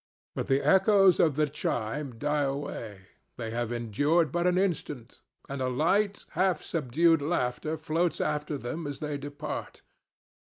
But the echoes of the chime die away—they have endured but an instant—and a light, half subdued laughter floats after them as they depart.